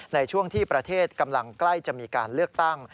ในช่วงที่ประเทศกำลังใกล้จะมีการเลือกตั้ง